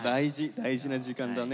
大事な時間だね。